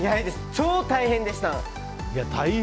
超大変でした。